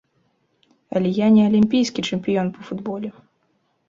Але я не алімпійскі чэмпіён па футболе.